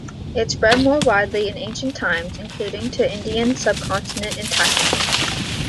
It spread more widely in ancient times, including to the Indian subcontinent and Thailand.